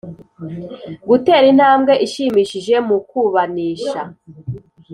Gutera intambwe ishimishije mu kubanisha